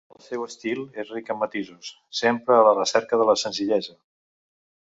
El seu estil és ric en matisos, sempre a la recerca de la senzillesa.